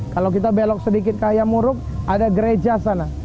kalau kita belok sedikit ke hayamuruk ada gereja sana